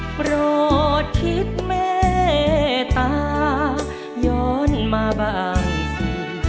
โปรดคิดเมตตาย้อนมาบ้างสิ